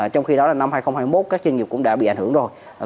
trong khi đó là năm hai nghìn hai mươi một các doanh nghiệp cũng đã bị ảnh hưởng rồi